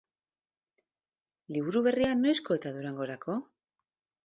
Liburu berria noizko eta Durangorako?